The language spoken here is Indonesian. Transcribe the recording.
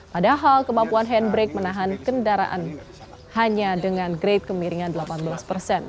padahal kemampuan handbrake menahan kendaraan hanya dengan grade kemiringan delapan belas persen